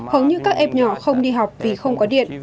hầu như các em nhỏ không đi học vì không có điện